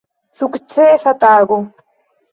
Sukcesa tago!